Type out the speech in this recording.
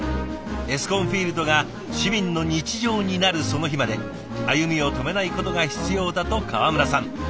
エスコンフィールドが市民の日常になるその日まで歩みを止めないことが必要だと川村さん。